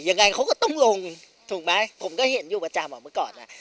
ยังไงเขาก็ต้องลงถูกไหมผมก็เห็นอยู่ประจำอ่ะเมื่อก่อนอ่ะ